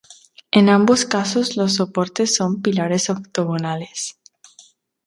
En ambos casos los soportes son pilares octogonales.